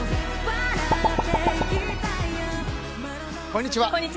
こんにちは。